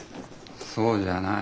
そうじゃない。